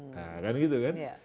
nah kan gitu kan